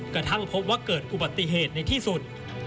กระทั่งพบว่าเกิดอุบัติเหตุในที่สุด